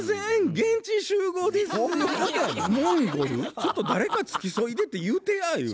ちょっと誰か付き添いでって言うてやゆう。